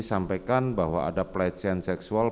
sampaikan bahwa ada pelecehan seksual